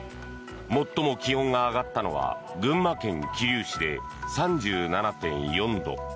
最も気温が上がったのは群馬県桐生市で３７．４度。